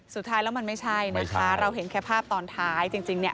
สุดท้ายแล้วมันไม่ใช่นะคะเราเห็นแค่ภาพตอนท้ายจริงเนี่ย